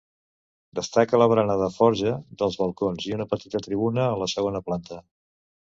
Destaca la barana de forja dels balcons i una petita tribuna a la segona planta.